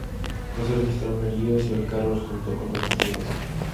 No se registraron heridos y el carro resultó con daños leves.